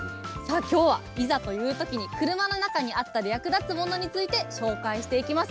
さあ、きょうはいざというときに車の中にあったら役立つものについて紹介していきます。